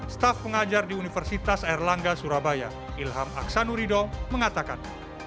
staf pengajar di universitas airlangga surabaya ilham aksanurido mengatakan